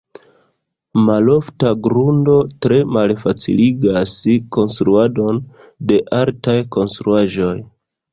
Malforta grundo tre malfaciligas konstruadon de altaj konstruaĵoj.